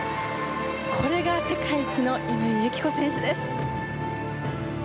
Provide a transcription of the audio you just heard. これが世界一の乾友紀子選手です。